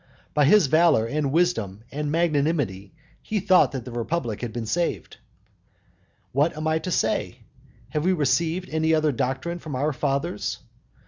By his valour, and wisdom, and magnanimity he thought that the republic had been saved. What am I to say? Have we received any other doctrine from our fathers?